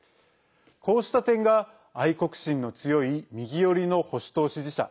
こうした点が、愛国心の強い右寄りの保守党支持者